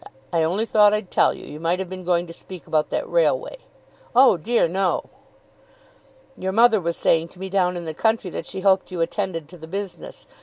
I only thought I'd tell you. You might have been going to speak about that railway." "Oh dear no." "Your mother was saying to me down in the country that she hoped you attended to the business.